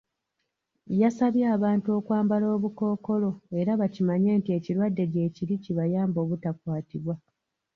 Yasabye abantu okwambala obukookolo era bakimanye nti ekirwadde gyekiri kibayambe obutakwatibwa.